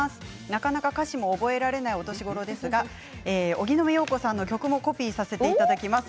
なかなか歌詞も覚えられないお年頃ですが荻野目洋子さんの曲もコピーさせていただきます。